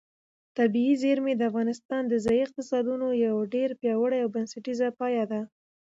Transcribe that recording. طبیعي زیرمې د افغانستان د ځایي اقتصادونو یو ډېر پیاوړی او بنسټیز پایایه دی.